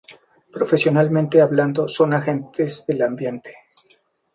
Profesionalmente hablando, son agentes de ambiente.